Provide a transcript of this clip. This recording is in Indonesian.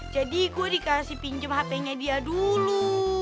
tadi gua dikasih pinjem hapenya dia dulu